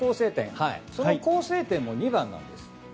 その構成点の２番なんです。